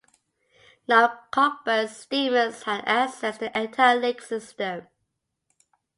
Now Cockburn's steamers had access to the entire lake system.